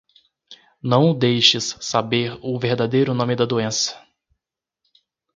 Não o deixes saber o verdadeiro nome da doença.